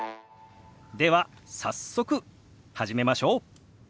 では早速始めましょう。